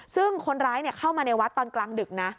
ซึ่งคนร้ายเข้ามาในวัดตอนกลางดึกนะ